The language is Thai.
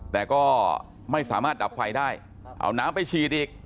แต่ก็ไม่สามารถดับไฟได้เอาน้ำไปฉีดอีก